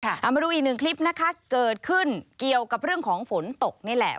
เอามาดูอีกหนึ่งคลิปนะคะเกิดขึ้นเกี่ยวกับเรื่องของฝนตกนี่แหละ